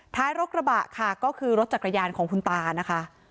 ท้ายรกระบะค่ะก็คือรถจักรยานของคุณตานะคะ